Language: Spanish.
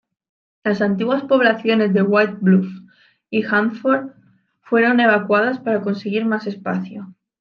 Las antiguas poblaciones de White Bluffs y Hanford fueron evacuadas para conseguir más espacio.